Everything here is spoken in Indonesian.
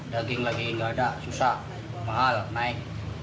daging lagi nggak ada susah mahal naik